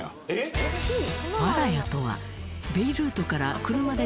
ファラヤとはベイルートからあれ？